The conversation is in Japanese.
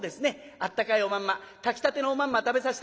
あったかいおまんま炊きたてのおまんま食べさせてあげましょうね」。